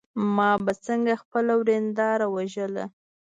ما به څنګه خپله ورېنداره وژله.